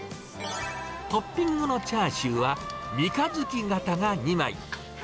トッピングのチャーシューは、三日月形が２枚。